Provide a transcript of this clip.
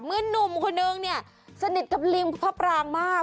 เมื่อนุ่มคนนึงสนิทกับริงพระปรางมาก